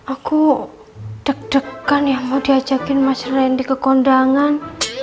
aku dek dekan ya mau diajakin mas randy ke kondangan